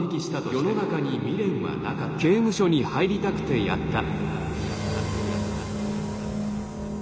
「世の中に未練はなかった刑務所に入りたくてやった」。